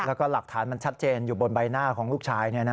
แล้วก็หลักฐานมันชัดเจนอยู่บนใบหน้าของลูกชาย